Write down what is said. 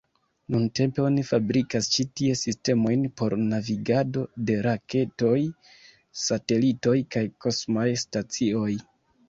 Nuntempe oni fabrikas ĉi tie sistemojn por navigado de raketoj, satelitoj kaj kosmaj stacioj.